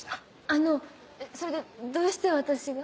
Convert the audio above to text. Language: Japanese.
あのそれでどうして私が？